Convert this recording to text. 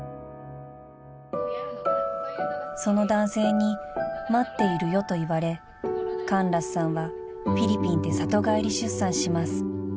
［その男性に待っているよと言われカンラスさんはフィリピンで里帰り出産します］